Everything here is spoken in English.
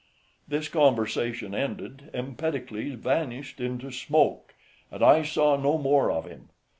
This conversation ended, Empedocles vanished into smoke, and I saw no more of him.